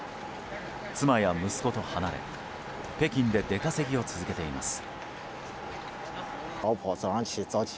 妻や息子と離れ北京で出稼ぎを続けています。